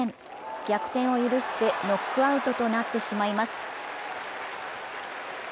逆転を許してノックアウトとなってしまいます。